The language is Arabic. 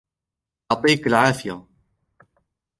يعطيك العافية.